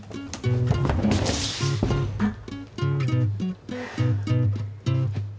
あっ。